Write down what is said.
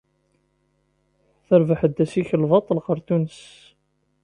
Terbeḥ-d assikel baṭel ɣer Tunes.